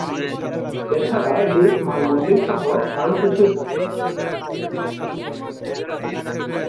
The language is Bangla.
এছাড়া লিক মানমন্দির সহ আরও কিছু স্থান থেকে পর্যবেক্ষণের কাজ চলতে থাকে।